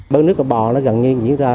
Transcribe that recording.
bơm nước vào bò gần như diễn ra